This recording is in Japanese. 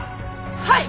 はい。